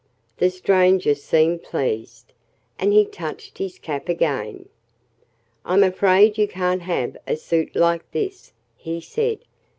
The stranger seemed pleased. And he touched his cap again. "I'm afraid you can't have a suit like this," he said.